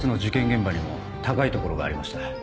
現場にも高い所がありました。